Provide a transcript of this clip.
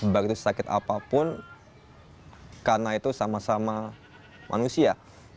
bagi sakit apapun karena itu sama sama manusia